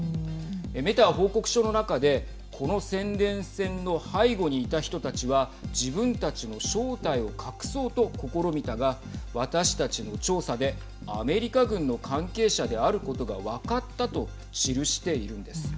メタは報告書の中でこの宣伝戦の背後にいた人たちは自分たちの正体を隠そうと試みたが私たちの調査でアメリカ軍の関係者であることが分かったと記しているんです。